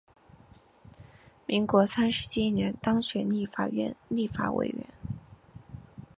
民国三十七年当选立法院立法委员。